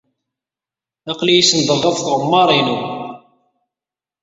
Aql-iyi senndeɣ ɣef tɣemmar-inu.